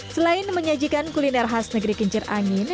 selain menyajikan kuliner khas negeri kincir angin